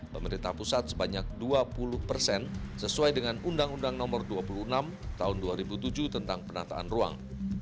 pemerintah pusat sebanyak dua puluh persen sesuai dengan undang undang nomor dua puluh enam tahun dua ribu tujuh tentang penataan ruang